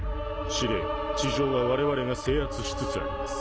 司令地上はわれわれが制圧しつつあります。